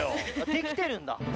できてるんだ。